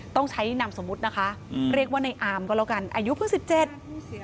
ต้องใช้แนะนำสมมุตินะคะเรียกว่าในอาร์มก็แล้วกันอายุเพิ่ง๑๗